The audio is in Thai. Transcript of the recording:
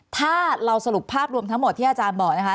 ถ้าเราสรุปภาพรวมทั้งหมดที่อาจารย์บอกนะคะ